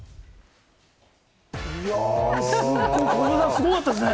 すごかったですね。